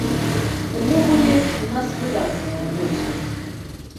Увогуле, у нас выдатныя адносіны.